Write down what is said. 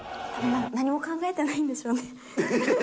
何も考えてないんでしょうね。